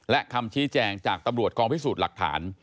และคำชี้แจงจากตำรวจกองพิสูจน์หลักฐาน